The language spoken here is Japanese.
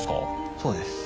そうです。